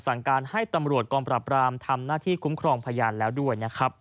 สั่งการให้ตำรวจกรรมประพรามทำหน้าที่คุ้มครองพญานแล้วด้วย